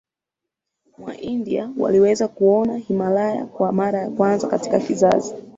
mwa India waliweza kuona Himalaya kwa mara ya kwanza katika kizazi